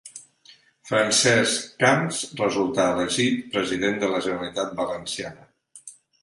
Francesc Camps resultar elegit President de la Generalitat Valenciana.